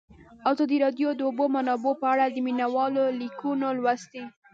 ازادي راډیو د د اوبو منابع په اړه د مینه والو لیکونه لوستي.